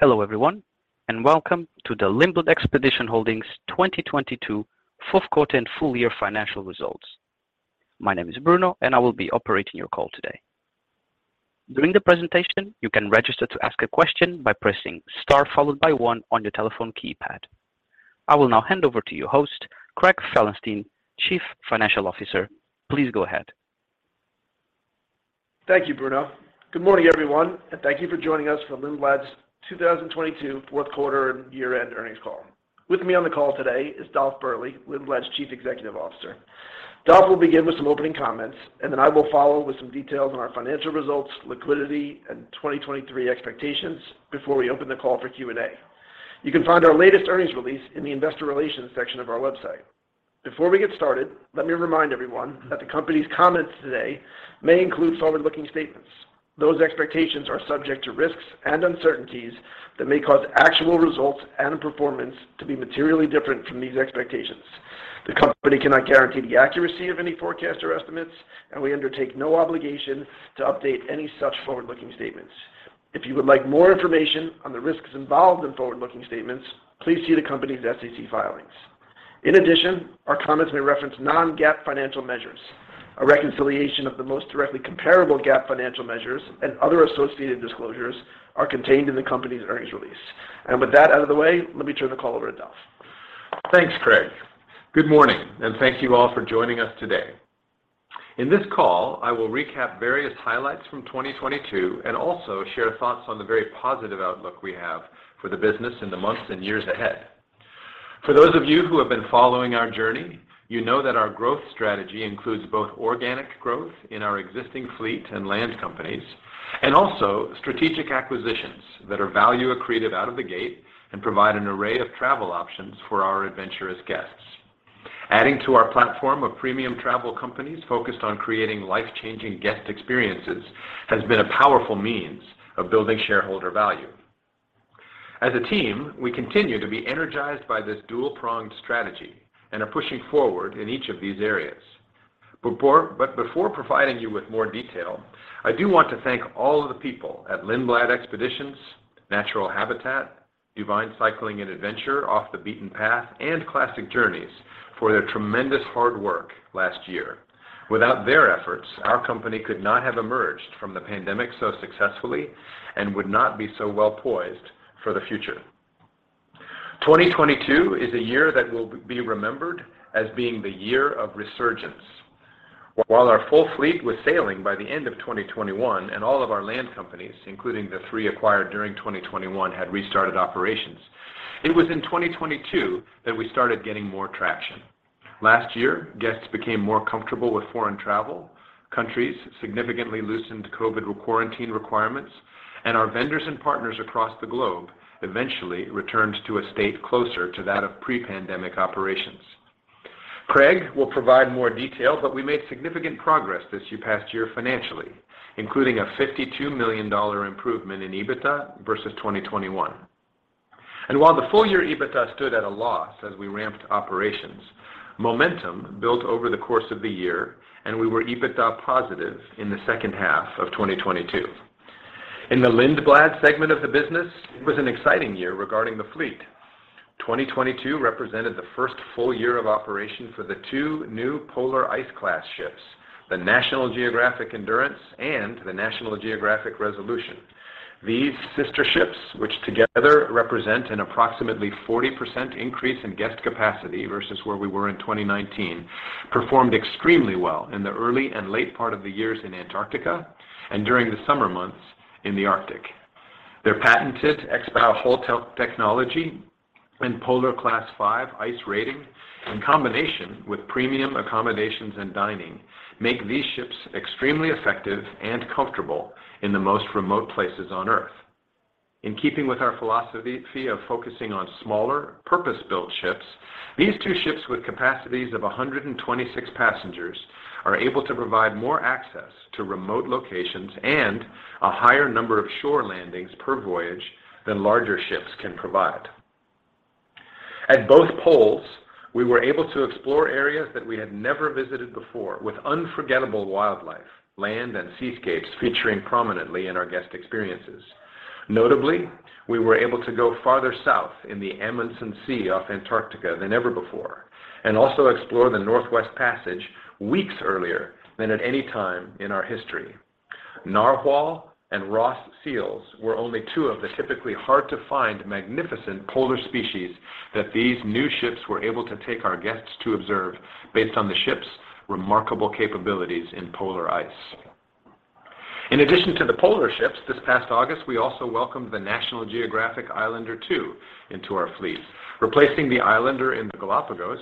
Hello everyone, and welcome to the Lindblad Expeditions Holdings 2022 fourth quarter and full year financial results. My name is Bruno, and I will be operating your call today. During the presentation, you can register to ask a question by pressing Star followed by one on your telephone keypad. I will now hand over to your host, Craig Felenstein, Chief Financial Officer. Please go ahead. Thank you, Bruno. Good morning, everyone, and thank you for joining us for Lindblad's 2022 fourth quarter and year-end earnings call. With me on the call today is Dolf Berle, Lindblad's Chief Executive Officer. Dolf will begin with some opening comments, and then I will follow with some details on our financial results, liquidity, and 2023 expectations before we open the call for Q&A. You can find our latest earnings release in the investor relations section of our website. Before we get started, let me remind everyone that the company's comments today may include forward-looking statements. Those expectations are subject to risks and uncertainties that may cause actual results and performance to be materially different from these expectations. The company cannot guarantee the accuracy of any forecast or estimates, and we undertake no obligation to update any such forward-looking statements. If you would like more information on the risks involved in forward-looking statements, please see the company's SEC filings. In addition, our comments may reference non-GAAP financial measures. A reconciliation of the most directly comparable GAAP financial measures and other associated disclosures are contained in the company's earnings release. With that out of the way, let me turn the call over to Dolf. Thanks, Craig. Good morning, and thank you all for joining us today. In this call, I will recap various highlights from 2022 and also share thoughts on the very positive outlook we have for the business in the months and years ahead. For those of you who have been following our journey, you know that our growth strategy includes both organic growth in our existing fleet and land companies, and also strategic acquisitions that are value accretive out of the gate and provide an array of travel options for our adventurous guests. Adding to our platform of premium travel companies focused on creating life-changing guest experiences has been a powerful means of building shareholder value. As a team, we continue to be energized by this dual-pronged strategy and are pushing forward in each of these areas. Before providing you with more detail, I do want to thank all of the people at Lindblad Expeditions, Natural Habitat, DuVine Cycling and Adventure, Off the Beaten Path, and Classic Journeys for their tremendous hard work last year. Without their efforts, our company could not have emerged from the pandemic so successfully and would not be so well-poised for the future. 2022 is a year that will be remembered as being the year of resurgence. While our full fleet was sailing by the end of 2021 and all of our land companies, including the three acquired during 2021, had restarted operations, it was in 2022 that we started getting more traction. Last year, guests became more comfortable with foreign travel, countries significantly loosened COVID quarantine requirements, and our vendors and partners across the globe eventually returned to a state closer to that of pre-pandemic operations. Craig will provide more detail, but we made significant progress this past year financially, including a $52 million improvement in EBITDA versus 2021. While the full-year EBITDA stood at a loss as we ramped operations, momentum built over the course of the year, and we were EBITDA positive in the second half of 2022. In the Lindblad segment of the business, it was an exciting year regarding the fleet. 2022 represented the first full year of operation for the two new polar ice class ships, the National Geographic Endurance and the National Geographic Resolution. These sister ships, which together represent an approximately 40% increase in guest capacity versus where we were in 2019, performed extremely well in the early and late part of the years in Antarctica and during the summer months in the Arctic. Their patented X-Bow hull technology and Polar Class five ice rating, in combination with premium accommodations and dining, make these ships extremely effective and comfortable in the most remote places on Earth. In keeping with our philosophy of focusing on smaller, purpose-built ships, these two ships with capacities of 126 passengers are able to provide more access to remote locations and a higher number of shore landings per voyage than larger ships can provide. At both poles, we were able to explore areas that we had never visited before with unforgettable wildlife, land, and seascapes featuring prominently in our guest experiences. Notably, we were able to go farther south in the Amundsen Sea off Antarctica than ever before and also explore the Northwest Passage weeks earlier than at any time in our history. Narwhal and Ross seals were only two of the typically hard-to-find magnificent polar species that these new ships were able to take our guests to observe based on the ship's remarkable capabilities in polar ice. In addition to the polar ships, this past August, we also welcomed the National Geographic Islander two into our fleet. Replacing the Islander in the Galápagos,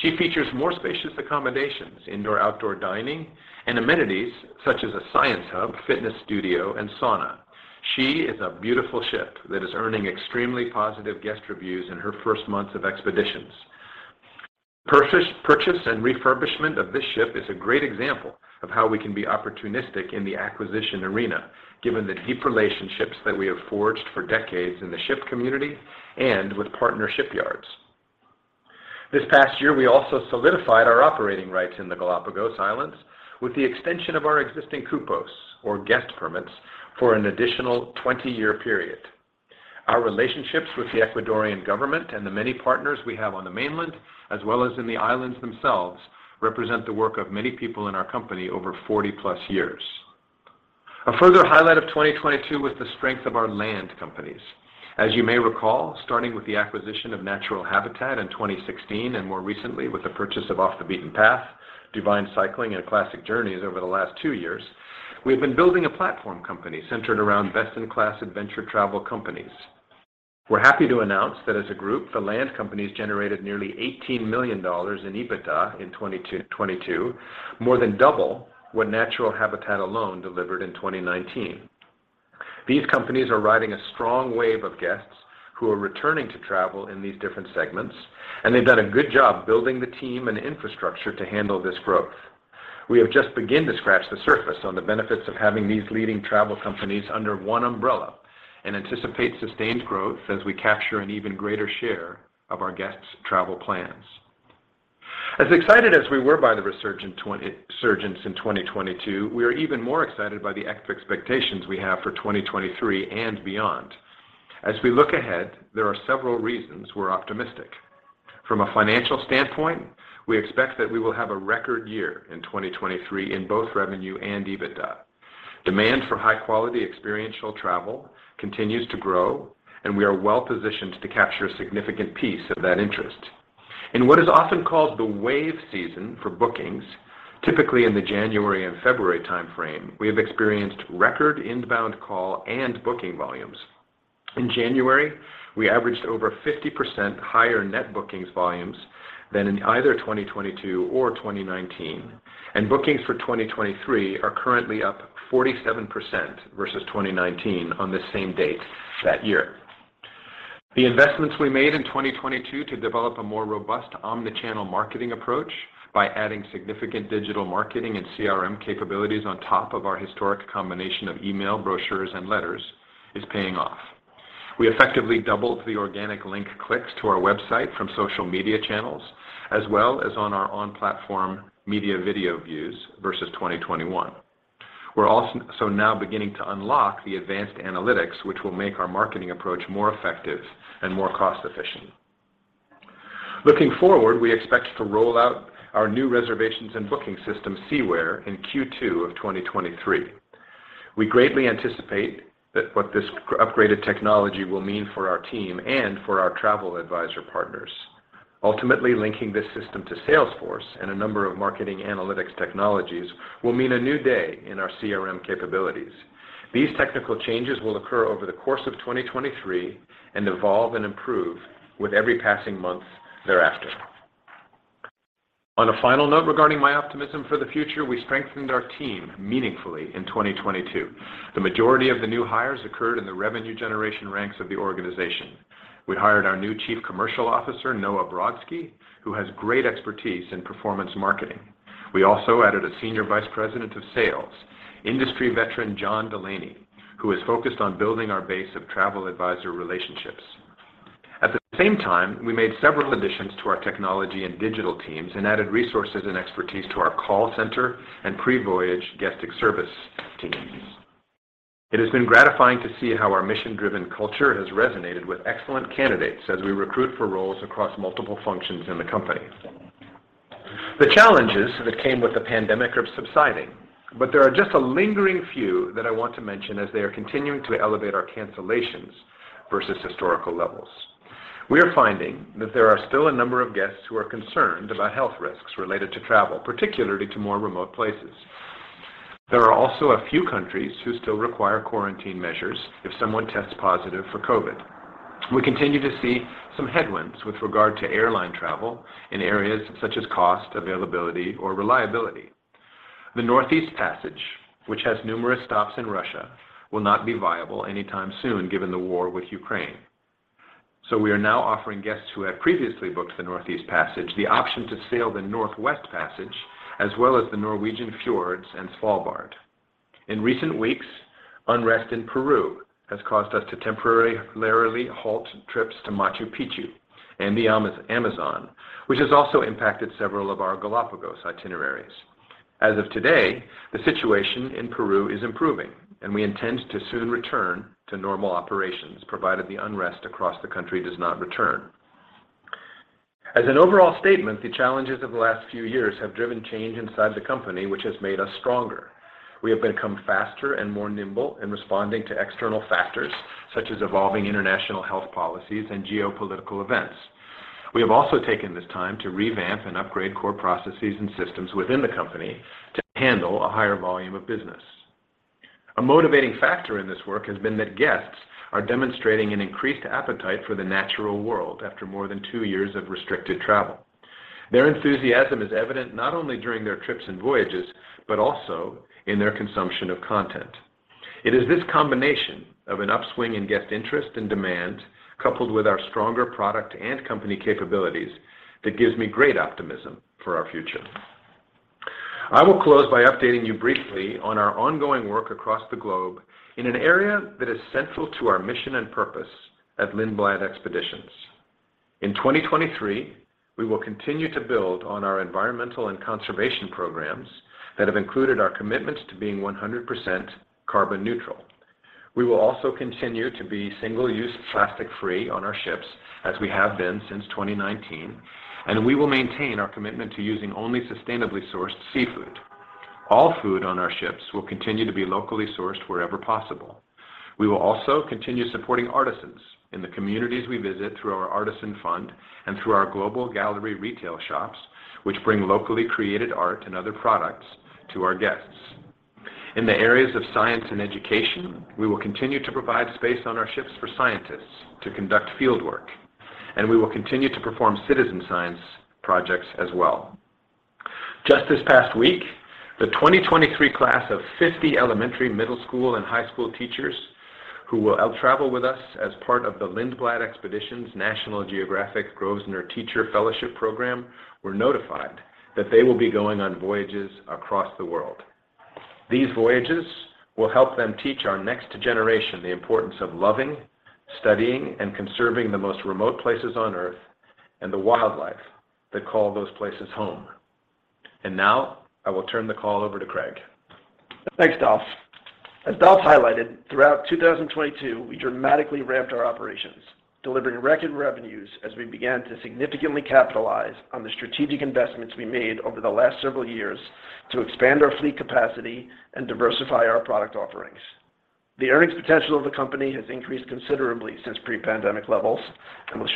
she features more spacious accommodations, indoor/outdoor dining, and amenities such as a science hub, fitness studio, and sauna. She is a beautiful ship that is earning extremely positive guest reviews in her first months of expeditions. Purchase, purchase and refurbishment of this ship is a great example of how we can be opportunistic in the acquisition arena, given the deep relationships that we have forged for decades in the ship community and with partner shipyards. This past year, we also solidified our operating rights in the Galápagos Islands with the extension of our existing CUPOS, or guest permits, for an additional 20-year period. Our relationships with the Ecuadorian government and the many partners we have on the mainland, as well as in the islands themselves, represent the work of many people in our company over 40+ years. A further highlight of 2022 was the strength of our land companies. As you may recall, starting with the acquisition of Natural Habitat in 2016 and more recently with the purchase of Off the Beaten Path, DuVine Cycling, and Classic Journeys over the last two years, we have been building a platform company centered around best-in-class adventure travel companies. We're happy to announce that as a group, the land companies generated nearly $18 million in EBITDA in 2022, more than double what Natural Habitat alone delivered in 2019. These companies are riding a strong wave of guests who are returning to travel in these different segments, and they've done a good job building the team and infrastructure to handle this growth. We have just begun to scratch the surface on the benefits of having these leading travel companies under one umbrella and anticipate sustained growth as we capture an even greater share of our guests' travel plans. As excited as we were by the resurgence in 2022, we are even more excited by the expectations we have for 2023 and beyond. As we look ahead, there are several reasons we're optimistic. From a financial standpoint, we expect that we will have a record year in 2023 in both revenue and EBITDA. Demand for high-quality experiential travel continues to grow, and we are well-positioned to capture a significant piece of that interest. In what is often called the Wave Season for bookings, typically in the January and February time frame, we have experienced record inbound call and booking volumes. In January, we averaged over 50% higher net bookings volumes than in either 2022 or 2019, and bookings for 2023 are currently up 47% versus 2019 on this same date that year. The investments we made in 2022 to develop a more robust omnichannel marketing approach by adding significant digital marketing and CRM capabilities on top of our historic combination of email, brochures, and letters is paying off. We effectively doubled the organic link clicks to our website from social media channels, as well as on our on-platform media video views versus 2021. We're also now beginning to unlock the advanced analytics, which will make our marketing approach more effective and more cost-efficient. Looking forward, we expect to roll out our new reservations and booking system, SeaWare, in Q2 of 2023. We greatly anticipate what this upgraded technology will mean for our team and for our travel advisor partners. Ultimately, linking this system to Salesforce and a number of marketing analytics technologies will mean a new day in our CRM capabilities. These technical changes will occur over the course of 2023 and evolve and improve with every passing month thereafter. On a final note regarding my optimism for the future, we strengthened our team meaningfully in 2022. The majority of the new hires occurred in the revenue generation ranks of the organization. We hired our new Chief Commercial Officer, Noah Brodsky, who has great expertise in performance marketing. We also added a Senior Vice President of Sales, industry veteran John Delaney, who is focused on building our base of travel advisor relationships. At the same time, we made several additions to our technology and digital teams and added resources and expertise to our call center and pre-voyage guest service teams. It has been gratifying to see how our mission-driven culture has resonated with excellent candidates as we recruit for roles across multiple functions in the company. The challenges that came with the pandemic are subsiding. There are just a lingering few that I want to mention as they are continuing to elevate our cancellations versus historical levels. We are finding that there are still a number of guests who are concerned about health risks related to travel, particularly to more remote places. There are also a few countries who still require quarantine measures if someone tests positive for COVID. We continue to see some headwinds with regard to airline travel in areas such as cost, availability, or reliability. The Northeast Passage, which has numerous stops in Russia, will not be viable anytime soon given the war with Ukraine. We are now offering guests who have previously booked the Northeast Passage the option to sail the Northwest Passage as well as the Norwegian Fjords and Svalbard. In recent weeks, unrest in Peru has caused us to temporarily halt trips to Machu Picchu and the Amazon, which has also impacted several of our Galápagos itineraries. As of today, the situation in Peru is improving, and we intend to soon return to normal operations, provided the unrest across the country does not return. As an overall statement, the challenges of the last few years have driven change inside the company, which has made us stronger. We have become faster and more nimble in responding to external factors such as evolving international health policies and geopolitical events. We have also taken this time to revamp and upgrade core processes and systems within the company to handle a higher volume of business. A motivating factor in this work has been that guests are demonstrating an increased appetite for the natural world after more than two years of restricted travel. Their enthusiasm is evident not only during their trips and voyages, but also in their consumption of content. It is this combination of an upswing in guest interest and demand, coupled with our stronger product and company capabilities, that gives me great optimism for our future. I will close by updating you briefly on our ongoing work across the globe in an area that is central to our mission and purpose at Lindblad Expeditions. In 2023, we will continue to build on our environmental and conservation programs that have included our commitments to being 100% carbon neutral. We will also continue to be single-use plastic-free on our ships, as we have been since 2019, and we will maintain our commitment to using only sustainably sourced seafood. All food on our ships will continue to be locally sourced wherever possible. We will also continue supporting artisans in the communities we visit through our Artisan Fund and through our Global Gallery retail shops, which bring locally created art and other products to our guests. In the areas of science and education, we will continue to provide space on our ships for scientists to conduct fieldwork, and we will continue to perform citizen science projects as well. Just this past week, the 2023 class of 50 elementary, middle school, and high school teachers who will travel with us as part of the Lindblad Expeditions National Geographic Grosvenor Teacher Fellowship Program were notified that they will be going on voyages across the world. These voyages will help them teach our next generation the importance of loving, studying, and conserving the most remote places on Earth and the wildlife that call those places home. Now, I will turn the call over to Craig. Thanks, Dolf. As Dolf highlighted, throughout 2022, we dramatically ramped our operations, delivering record revenues as we began to significantly capitalize on the strategic investments we made over the last several years to expand our fleet capacity and diversify our product offerings. With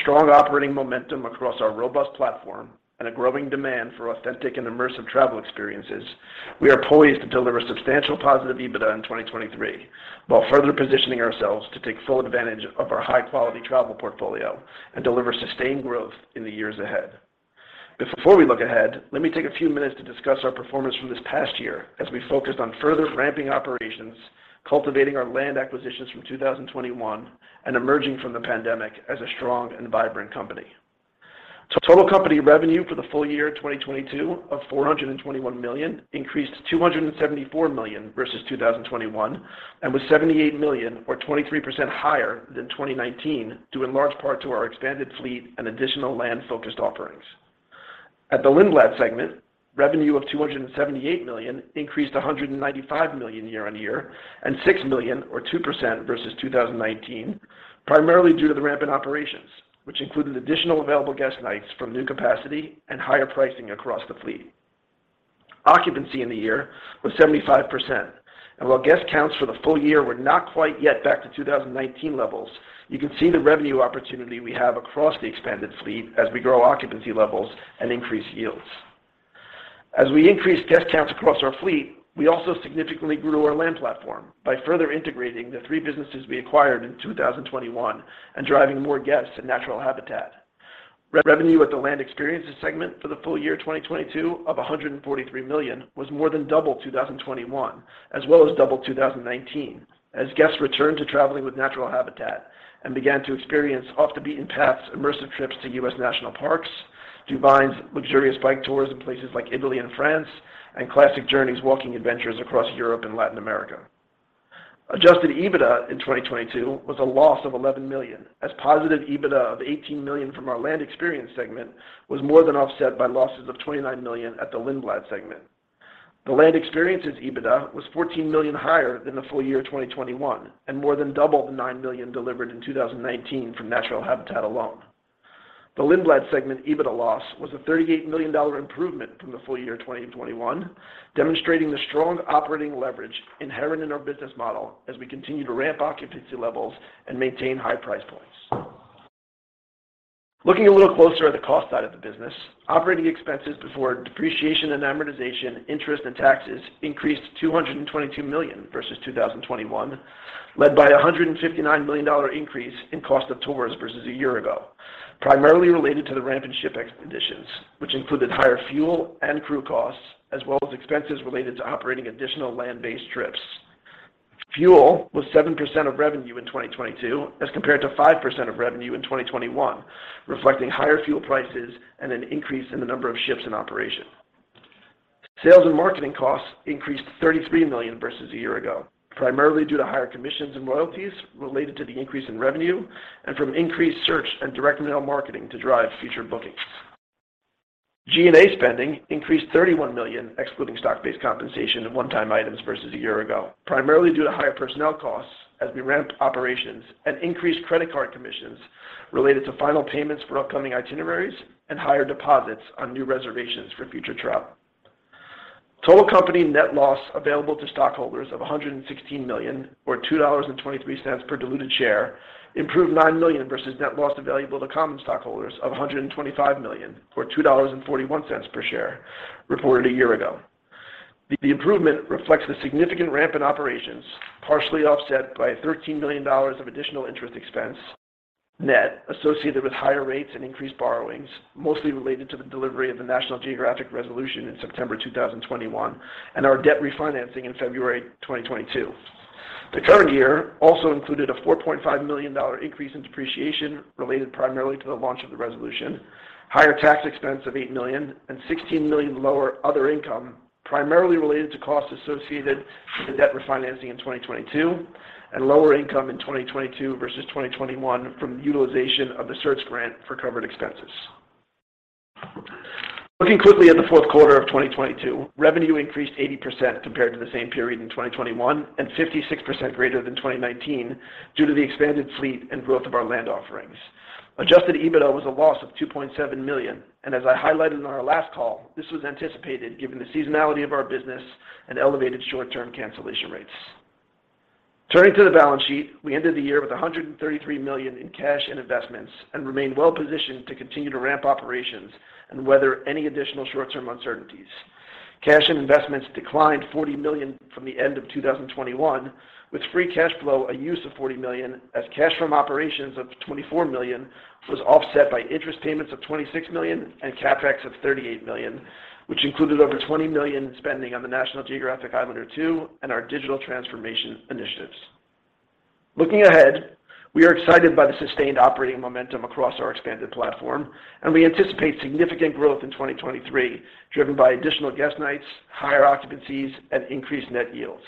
strong operating momentum across our robust platform and a growing demand for authentic and immersive travel experiences, we are poised to deliver substantial positive EBITDA in 2023 while further positioning ourselves to take full advantage of our high-quality travel portfolio and deliver sustained growth in the years ahead. Before we look ahead, let me take a few minutes to discuss our performance from this past year as we focused on further ramping operations, cultivating our land acquisitions from 2021, and emerging from the pandemic as a strong and vibrant company. Total company revenue for the full year 2022 of $421 million increased to $274 million versus 2021 and was $78 million or 23% higher than 2019 due in large part to our expanded fleet and additional land-focused offerings. At the Lindblad segment, revenue of $278 million increased to $195 million year-over-year and $6 million or 2% versus 2019, primarily due to the ramp in operations, which included additional available guest nights from new capacity and higher pricing across the fleet. Occupancy in the year was 75%. While guest counts for the full year were not quite yet back to 2019 levels, you can see the revenue opportunity we have across the expanded fleet as we grow occupancy levels and increase yields. As we increased guest counts across our fleet, we also significantly grew our land platform by further integrating the three businesses we acquired in 2021 and driving more guests in Natural Habitat. Revenue at the land experiences segment for the full year 2022 of $143 million was more than double 2021 as well as double 2019 as guests returned to traveling with Natural Habitat and began to experience Off the Beaten Path immersive trips to U.S. national parks, DuVine's luxurious bike tours in places like Italy and France, and Classic Journeys walking adventures across Europe and Latin America. Adjusted EBITDA in 2022 was a loss of $11 million as positive EBITDA of $18 million from our land experience segment was more than offset by losses of $29 million at the Lindblad segment. The land experiences EBITDA was $14 million higher than the full year 2021 and more than double the $9 million delivered in 2019 from Natural Habitat alone. The Lindblad segment EBITDA loss was a $38 million improvement from the full year 2021, demonstrating the strong operating leverage inherent in our business model as we continue to ramp occupancy levels and maintain high price points. Looking a little closer at the cost side of the business, operating expenses before depreciation and amortization, interest, and taxes increased to $222 million versus 2021, led by a $159 million increase in cost of tours versus a year ago, primarily related to the ramp in ship expeditions, which included higher fuel and crew costs as well as expenses related to operating additional land-based trips. Fuel was 7% of revenue in 2022 as compared to 5% of revenue in 2021, reflecting higher fuel prices and an increase in the number of ships in operation. Sales and marketing costs increased to $33 million versus a year ago, primarily due to higher commissions and royalties related to the increase in revenue and from increased search and direct mail marketing to drive future bookings. G&A spending increased $31 million, excluding stock-based compensation and one-time items versus a year ago, primarily due to higher personnel costs as we ramp operations and increased credit card commissions related to final payments for upcoming itineraries and higher deposits on new reservations for future travel. Total company net loss available to stockholders of $116 million or $2.23 per diluted share improved $9 million versus net loss available to common stockholders of $125 million or $2.41 per share reported a year ago. The improvement reflects the significant ramp in operations, partially offset by $13 million of additional interest expense net associated with higher rates and increased borrowings, mostly related to the delivery of the National Geographic Resolution in September 2021 and our debt refinancing in February 2022. The current year also included a $4.5 million increase in depreciation related primarily to the launch of the Resolution, higher tax expense of $8 million and $16 million lower other income primarily related to costs associated with the debt refinancing in 2022 and lower income in 2022 versus 2021 from the utilization of the CERTS grant for covered expenses. Looking quickly at the fourth quarter of 2022, revenue increased 80% compared to the same period in 2021 and 56% greater than 2019 due to the expanded fleet and growth of our land offerings. Adjusted EBITDA was a loss of $2.7 million. As I highlighted on our last call, this was anticipated given the seasonality of our business and elevated short-term cancellation rates. Turning to the balance sheet, we ended the year with $133 million in cash and investments and remain well positioned to continue to ramp operations and weather any additional short-term uncertainties. Cash and investments declined $40 million from the end of 2021, with free cash flow a use of $40 million as cash from operations of $24 million was offset by interest payments of $26 million and CapEx of $38 million, which included over $20 million in spending on the National Geographic Islander II and our digital transformation initiatives. Looking ahead, we are excited by the sustained operating momentum across our expanded platform. We anticipate significant growth in 2023, driven by additional guest nights, higher occupancies, and increased net yields.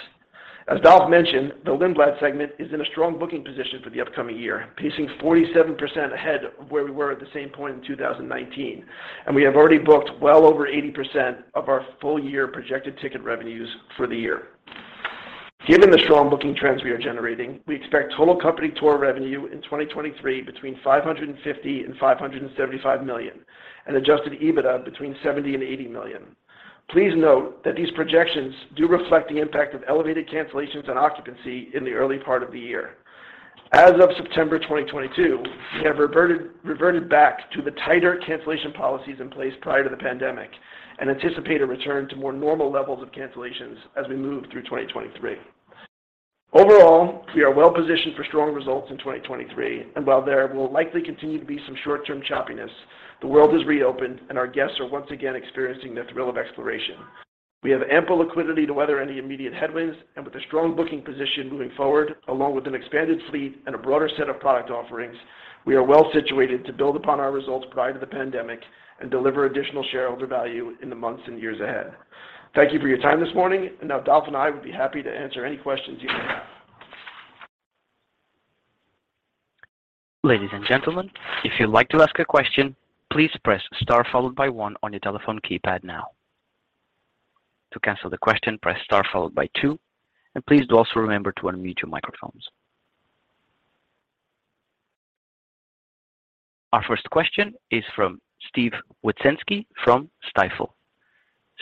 As Dolph mentioned, the Lindblad segment is in a strong booking position for the upcoming year, pacing 47% ahead of where we were at the same point in 2019. We have already booked well over 80% of our full-year projected ticket revenues for the year. Given the strong booking trends we are generating, we expect total company tour revenue in 2023 between $550 million and $575 million and adjusted EBITDA between $70 million and $80 million. Please note that these projections do reflect the impact of elevated cancellations and occupancy in the early part of the year. As of September 2022, we have reverted back to the tighter cancellation policies in place prior to the pandemic and anticipate a return to more normal levels of cancellations as we move through 2023. Overall, we are well positioned for strong results in 2023, and while there will likely continue to be some short-term choppiness, the world has reopened, and our guests are once again experiencing the thrill of exploration. We have ample liquidity to weather any immediate headwinds, and with a strong booking position moving forward, along with an expanded fleet and a broader set of product offerings, we are well situated to build upon our results prior to the pandemic and deliver additional shareholder value in the months and years ahead. Thank you for your time this morning. Now Dolf and I would be happy to answer any questions you may have. Ladies and gentlemen, if you'd like to ask a question, please press star followed by 1 on your telephone keypad now. To cancel the question, press star followed by two, and please do also remember to unmute your microphones. Our first question is from Steve Wieczynski from Stifel.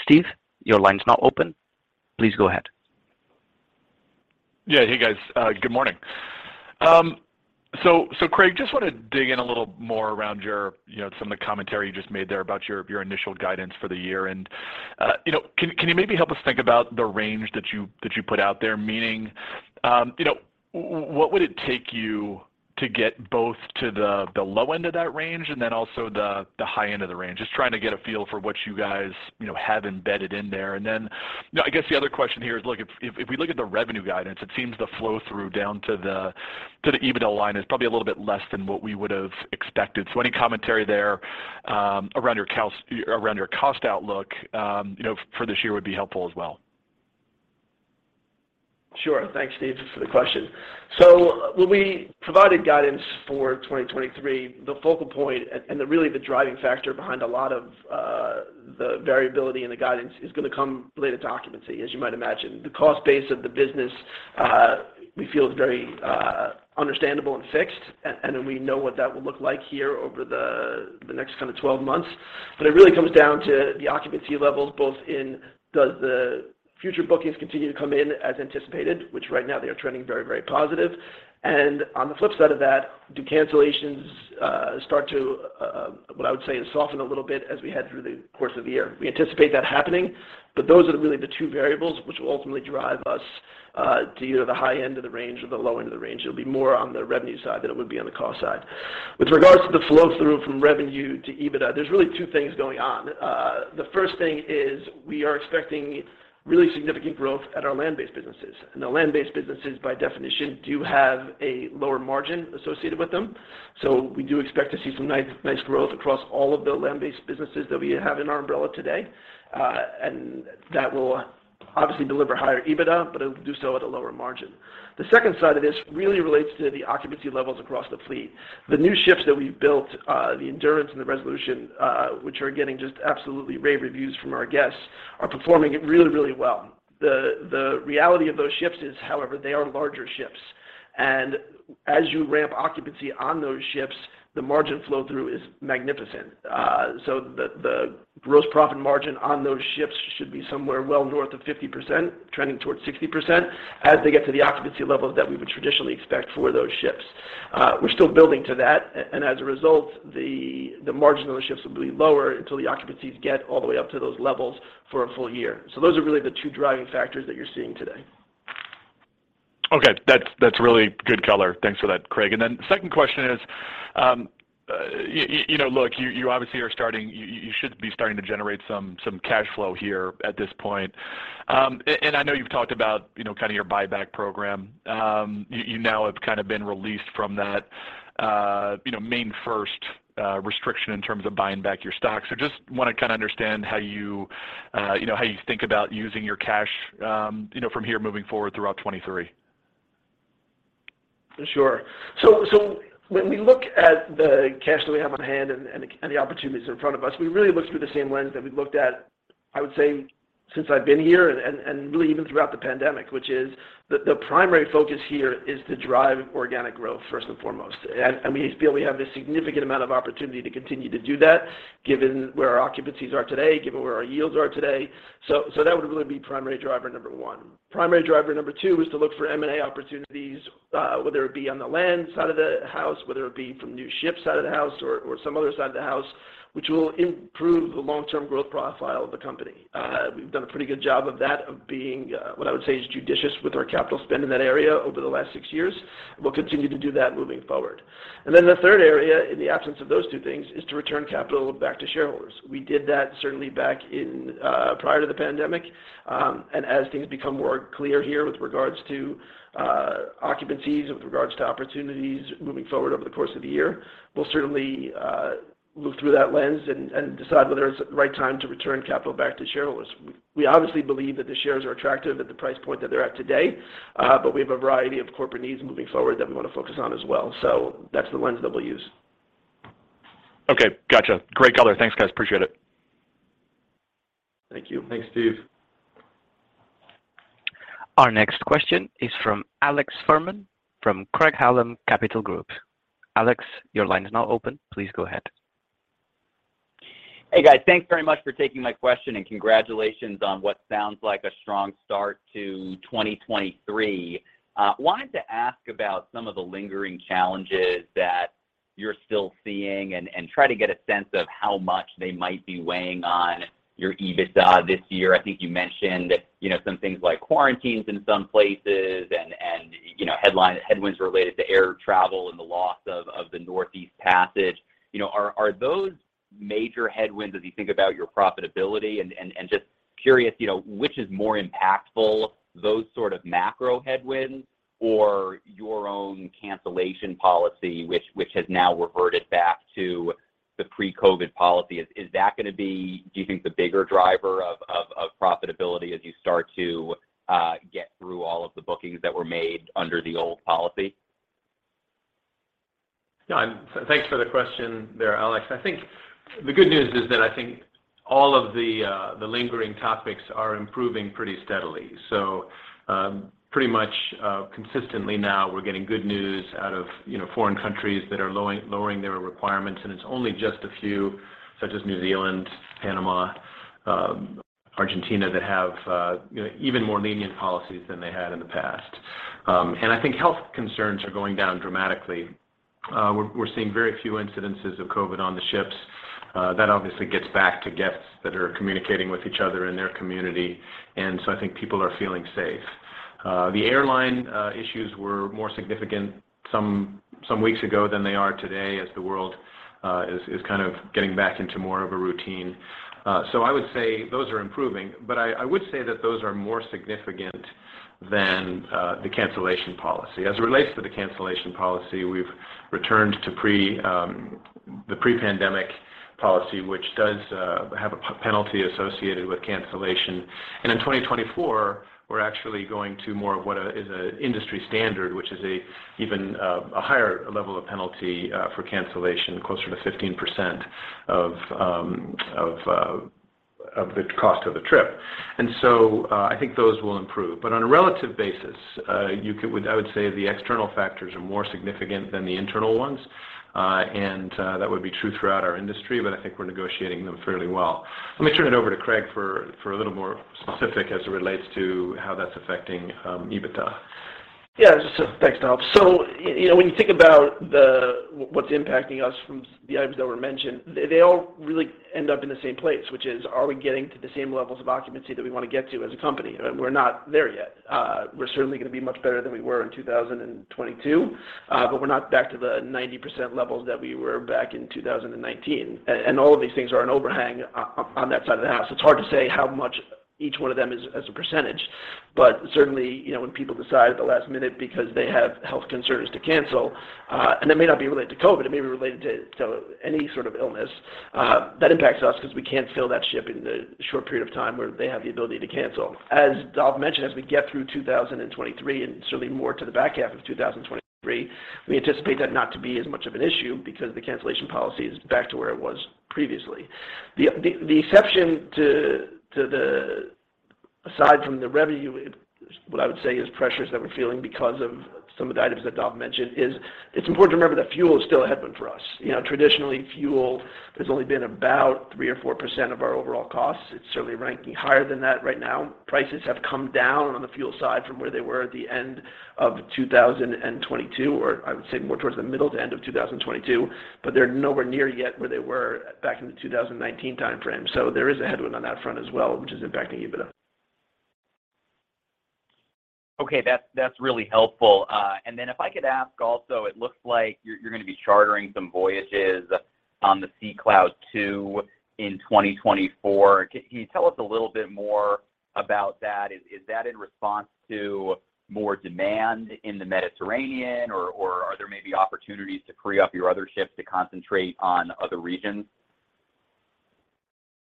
Steve, your line is now open. Please go ahead. Yeah. Hey, guys. Good morning. Craig, just want to dig in a little more around your, you know, some of the commentary you just made there about your initial guidance for the year. You know, can you maybe help us think about the range that you, that you put out there? Meaning, you know, what would it take you to get both to the low end of that range and then also the high end of the range? Just trying to get a feel for what you guys, you know, have embedded in there. Then, you know, I guess the other question here is, look, if we look at the revenue guidance, it seems the flow-through down to the EBITDA line is probably a little bit less than what we would have expected. Any commentary there, around your cost outlook, you know, for this year would be helpful as well. Sure. Thanks, Steve, for the question. When we provided guidance for 2023, the focal point and really the driving factor behind a lot of the variability in the guidance is gonna come related to occupancy, as you might imagine. The cost base of the business, we feel is very understandable and fixed, and then we know what that will look like here over the next kind of 12 months. It really comes down to the occupancy levels, both in does the future bookings continue to come in as anticipated, which right now they are trending very, very positive. On the flip side of that, do cancellations start to, what I would say, soften a little bit as we head through the course of the year. We anticipate that happening. Those are really the two variables which will ultimately drive us to either the high end of the range or the low end of the range. It'll be more on the revenue side than it would be on the cost side. With regards to the flow-through from revenue to EBITDA, there's really two things going on. The first thing is we are expecting really significant growth at our land-based businesses. The land-based businesses by definition do have a lower margin associated with them. We do expect to see some nice growth across all of the land-based businesses that we have in our umbrella today. That will obviously deliver higher EBITDA, but it'll do so at a lower margin. The second side of this really relates to the occupancy levels across the fleet. The new ships that we've built, the National Geographic Endurance and the National Geographic Resolution, which are getting just absolutely rave reviews from our guests, are performing really, really well. The reality of those ships is, however, they are larger ships. As you ramp occupancy on those ships, the margin flow-through is magnificent. The gross profit margin on those ships should be somewhere well north of 50%, trending towards 60% as they get to the occupancy levels that we would traditionally expect for those ships. We're still building to that, and as a result, the margin on the ships will be lower until the occupancies get all the way up to those levels for a full year. Those are really the two driving factors that you're seeing today. Okay. That's really good color. Thanks for that, Craig. The second question is, you know, look, you should be starting to generate some cash flow here at this point. I know you've talked about, you know, kind of your buyback program. You now have kind of been released from that, you know, main first restriction in terms of buying back your stock. Just wanna kinda understand how you know, how you think about using your cash, you know, from here moving forward throughout 23. Sure. When we look at the cash that we have on hand and the opportunities in front of us, we really look through the same lens that we've looked at, I would say, since I've been here and really even throughout the pandemic, which is the primary focus here is to drive organic growth first and foremost. We feel we have a significant amount of opportunity to continue to do that given where our occupancies are today, given where our yields are today. That would really be primary driver number one. Primary driver number two is to look for M&A opportunities, whether it be on the land side of the house, whether it be from new ship side of the house or some other side of the house, which will improve the long-term growth profile of the company. We've done a pretty good job of that, of being what I would say is judicious with our capital spend in that area over the last six years. We'll continue to do that moving forward. The third area in the absence of those two things is to return capital back to shareholders. We did that certainly back in prior to the pandemic. As things become more clear here with regards to occupancies and with regards to opportunities moving forward over the course of the year, we'll certainly look through that lens and decide whether it's the right time to return capital back to shareholders. We obviously believe that the shares are attractive at the price point that they're at today, but we have a variety of corporate needs moving forward that we wanna focus on as well. That's the lens that we'll use. Okay. Gotcha. Great color. Thanks, guys. Appreciate it. Thank you. Thanks, Steve. Our next question is from Alex Fuhrman from Craig-Hallum Capital Group. Alex, your line is now open. Please go ahead. Hey, guys. Thanks very much for taking my question, and congratulations on what sounds like a strong start to 2023. Wanted to ask about some of the lingering challenges that you're still seeing and try to get a sense of how much they might be weighing on your EBITDA this year. I think you mentioned, you know, some things like quarantines in some places and, you know, headwinds related to air travel and the loss of the Northeast Passage. You know, are those major headwinds as you think about your profitability? Just curious, you know, which is more impactful, those sort of macro headwinds or your own cancellation policy which has now reverted back to the pre-COVID policy? Is that gonna be, do you think, the bigger driver of profitability as you start to get through all of the bookings that were made under the old policy? Thanks for the question there, Alex. I think the good news is that I think all of the lingering topics are improving pretty steadily. Pretty much consistently now we're getting good news out of, you know, foreign countries that are lowering their requirements, and it's only just a few, such as New Zealand, Panama, Argentina, that have, you know, even more lenient policies than they had in the past. I think health concerns are going down dramatically. We're seeing very few incidences of COVID on the ships. That obviously gets back to guests that are communicating with each other in their community. I think people are feeling safe. The airline issues were more significant some weeks ago than they are today as the world is kind of getting back into more of a routine. I would say those are improving, but I would say that those are more significant than the cancellation policy. As it relates to the cancellation policy, we've returned to pre-the pre-pandemic policy, which does have a penalty associated with cancellation. In 2024, we're actually going to more of what is a industry standard, which is a even a higher level of penalty for cancellation, closer to 15% of the cost of the trip. I think those will improve. On a relative basis, I would say the external factors are more significant than the internal ones. That would be true throughout our industry, but I think we're negotiating them fairly well. Let me turn it over to Craig for a little more specific as it relates to how that's affecting EBITDA. Yeah. Just, thanks, Dolf. You know, when you think about what's impacting us from the items that were mentioned, they all really end up in the same place, which is, are we getting to the same levels of occupancy that we wanna get to as a company? We're not there yet. We're certainly gonna be much better than we were in 2022, but we're not back to the 90% levels that we were back in 2019. All of these things are an overhang on that side of the house. It's hard to say how much each one of them is as a percentage. Certainly, you know, when people decide at the last minute because they have health concerns to cancel, and that may not be related to COVID, it may be related to any sort of illness, that impacts us because we can't fill that ship in the short period of time where they have the ability to cancel. As Dolf mentioned, as we get through 2023 and certainly more to the back half of 2023, we anticipate that not to be as much of an issue because the cancellation policy is back to where it was previously. Aside from the revenue, what I would say is pressures that we're feeling because of some of the items that Dolf mentioned, is it's important to remember that fuel is still a headwind for us. You know, traditionally, fuel has only been about 3% or 4% of our overall costs. It's certainly ranking higher than that right now. Prices have come down on the fuel side from where they were at the end of 2022, or I would say more towards the middle to end of 2022, but they're nowhere near yet where they were back in the 2019 timeframe. There is a headwind on that front as well, which is impacting EBITDA. Okay, that's really helpful. If I could ask also, it looks like you're gonna be chartering some voyages on the Sea Cloud II in 2024. Can you tell us a little bit more about that? Is that in response to more demand in the Mediterranean or are there maybe opportunities to free up your other ships to concentrate on other regions?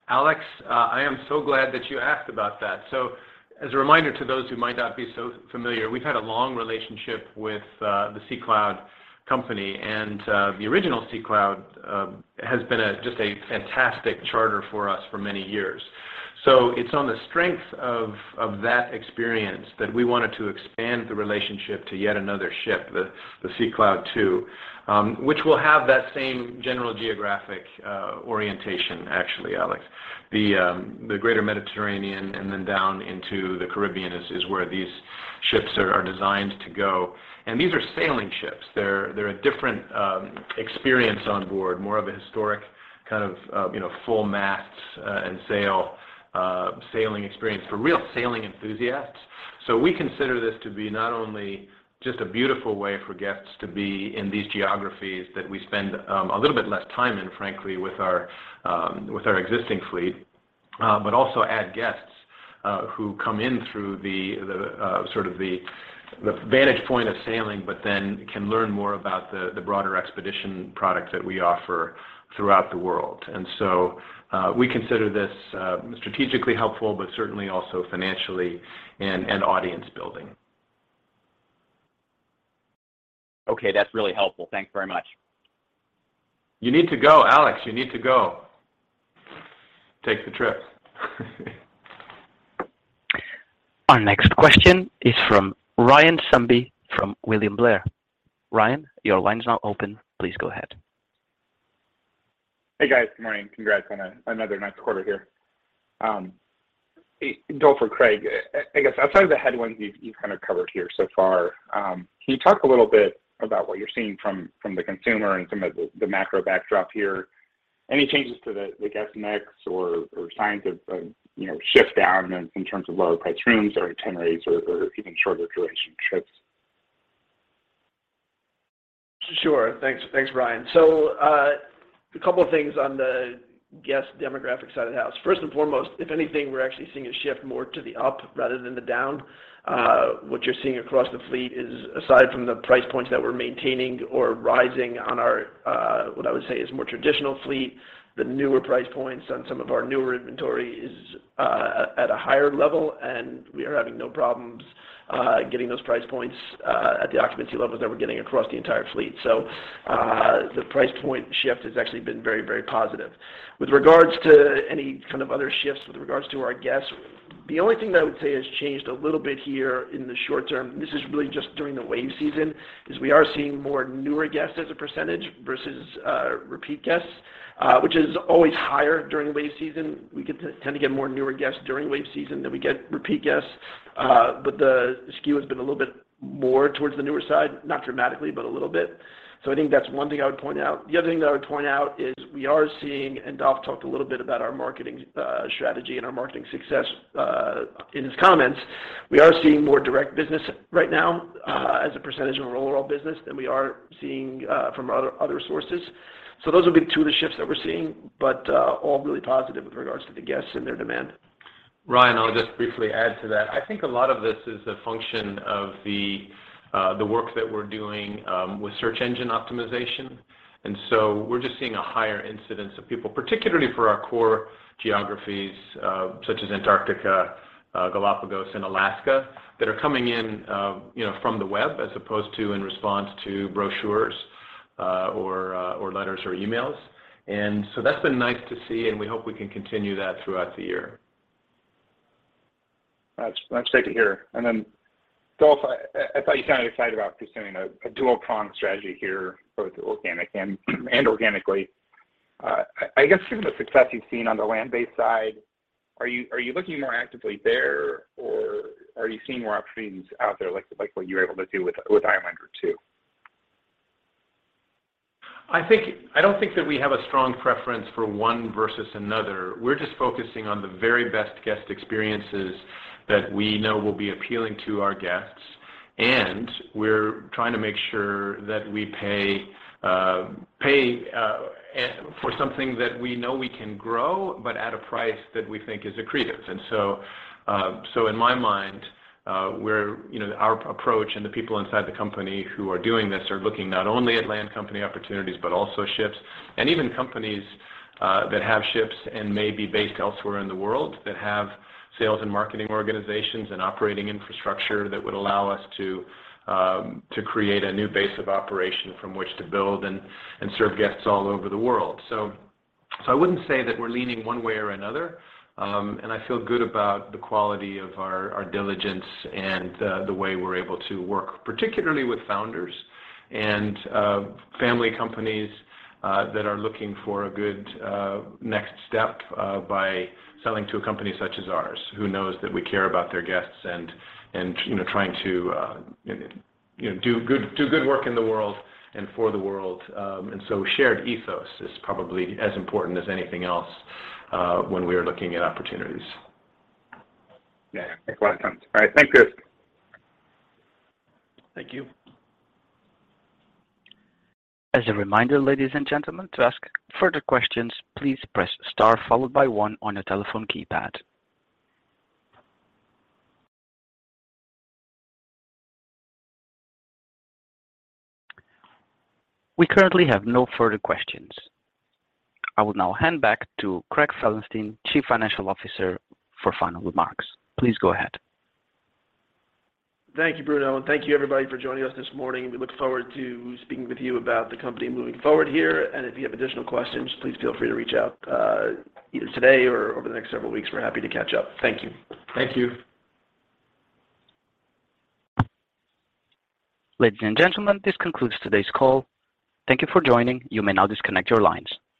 Alex, I am so glad that you asked about that. As a reminder to those who might not be so familiar, we've had a long relationship with the Sea Cloud Cruises. The original Sea Cloud has been a just a fantastic charter for us for many years. It's on the strength of that experience that we wanted to expand the relationship to yet another ship, the Sea Cloud II, which will have that same general geographic orientation, actually, Alex. The greater Mediterranean and then down into the Caribbean is where these ships are designed to go. These are sailing ships. They're a different experience on board, more of a historic kind of, you know, full masts, and sail sailing experience for real sailing enthusiasts. We consider this to be not only just a beautiful way for guests to be in these geographies that we spend a little bit less time in, frankly, with our existing fleet, but also add guests who come in through the sort of the vantage point of sailing, but then can learn more about the broader expedition product that we offer throughout the world. We consider this strategically helpful, but certainly also financially and audience building. Okay, that's really helpful. Thank you very much. You need to go, Alex. You need to go. Take the trip. Our next question is from Ryan Sundby from William Blair. Ryan, your line's now open. Please go ahead. Hey, guys. Good morning. Congrats on another nice quarter here. Dolf or Craig, I guess outside of the headwinds you've kind of covered here so far, can you talk a little bit about what you're seeing from the consumer and some of the macro backdrop here? Any changes to the guest mix or signs of, you know, shift down in terms of lower priced rooms or itineraries or even shorter duration trips? Sure. Thanks. Thanks, Ryan. A couple of things on the guest demographic side of the house. First and foremost, if anything, we're actually seeing a shift more to the up rather than the down. What you're seeing across the fleet is, aside from the price points that we're maintaining or rising on our, what I would say is more traditional fleet, the newer price points on some of our newer inventory is, at a higher level, and we are having no problems, getting those price points, at the occupancy levels that we're getting across the entire fleet. The price point shift has actually been very, very positive. With regards to any kind of other shifts with regards to our guests, the only thing that I would say has changed a little bit here in the short term, this is really just during the Wave Season, is we are seeing more newer guests as a % versus repeat guests, which is always higher during Wave Season. We tend to get more newer guests during Wave Season than we get repeat guests. The skew has been a little bit more towards the newer side, not dramatically, but a little bit. I think that's one thing I would point out. The other thing that I would point out is we are seeing, Dolf talked a little bit about our marketing strategy and our marketing success in his comments. We are seeing more direct business right now, as a percentage of our overall business than we are seeing, from other sources. Those would be two of the shifts that we're seeing, but, all really positive with regards to the guests and their demand. Ryan, I'll just briefly add to that. I think a lot of this is a function of the work that we're doing with search engine optimization. We're just seeing a higher incidence of people, particularly for our core geographies, such as Antarctica, Galápagos and Alaska, that are coming in, you know, from the web as opposed to in response to brochures, or letters or emails. That's been nice to see, and we hope we can continue that throughout the year. That's great to hear. Dolf, I thought you sounded excited about pursuing a dual prong strategy here, both organic and organically. I guess given the success you've seen on the land-based side, are you looking more actively there, or are you seeing more opportunities out there, like what you were able to do with Islander II? I don't think that we have a strong preference for one versus another. We're just focusing on the very best guest experiences that we know will be appealing to our guests. We're trying to make sure that we pay for something that we know we can grow but at a price that we think is accretive. In my mind, we're, you know, our approach and the people inside the company who are doing this are looking not only at land company opportunities, but also ships and even companies that have ships and may be based elsewhere in the world that have sales and marketing organizations and operating infrastructure that would allow us to create a new base of operation from which to build and serve guests all over the world. I wouldn't say that we're leaning one way or another. I feel good about the quality of our diligence and the way we're able to work, particularly with founders and family companies that are looking for a good next step by selling to a company such as ours, who knows that we care about their guests and, you know, trying to, you know, do good work in the world and for the world. Shared ethos is probably as important as anything else when we are looking at opportunities. Yeah. Makes a lot of sense. All right. Thank you. Thank you. As a reminder, ladies and gentlemen, to ask further questions, please press star followed by one on your telephone keypad. We currently have no further questions. I will now hand back to Craig Felenstein, Chief Financial Officer, for final remarks. Please go ahead. Thank you, Bruno. Thank you, everybody, for joining us this morning. We look forward to speaking with you about the company moving forward here, and if you have additional questions, please feel free to reach out either today or over the next several weeks. We're happy to catch up. Thank you. Thank you. Ladies and gentlemen, this concludes today's call. Thank you for joining. You may now disconnect your lines.